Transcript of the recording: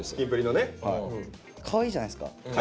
かわいいじゃないですか。